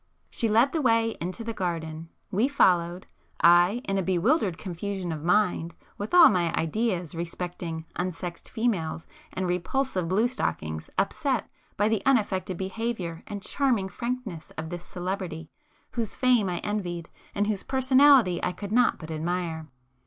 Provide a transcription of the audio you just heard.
She led the way into the garden,—we followed,—I, in a bewildered confusion of mind, with all my ideas respecting 'unsexed females' and repulsive blue stockings upset by the unaffected behaviour and charming frankness of this 'celebrity' whose fame I envied, and whose personality I could not but admire.